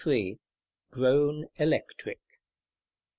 III. Grown Electric.